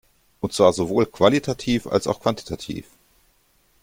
Und zwar sowohl qualitativ als auch quantitativ.